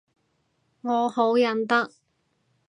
我好忍得